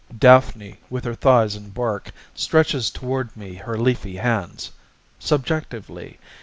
"DAPHNE with her thighs in bark Stretches toward me her leafy hands", Subjectively.